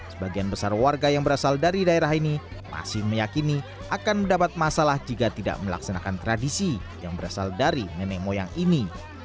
sebagian besar warga yang berasal dari daerah ini masih meyakini akan mendapat masalah jika tidak melaksanakan tradisi yang berasal dari nenek moyang ini